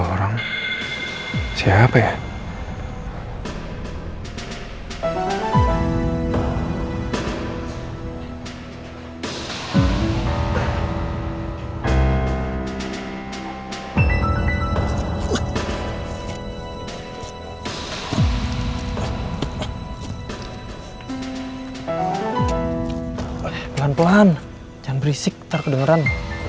pelan pelan jangan berisik nanti kwegeneran